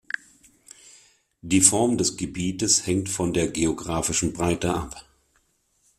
Die Form des Gebietes hängt von der geografischen Breite ab.